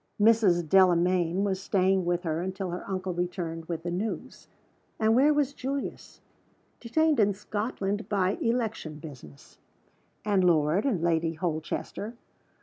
Mrs. Delamayn was staying with her until her uncle returned with the news. And where was Julius? Detained in Scotland by election business. And Lord and Lady Holchester?